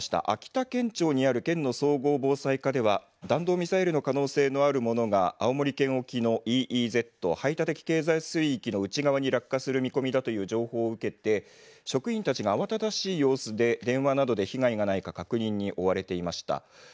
秋田県庁にある県の総合防災課では弾道ミサイルの可能性のあるものが青森県沖のＥＥＺ・排他的経済水域の内側に落下する見込みだという情報を受けて職員たちが慌ただしい様子で電話などで被害がないか確認に追われていました。